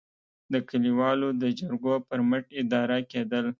د کلیوالو د جرګو پر مټ اداره کېدل.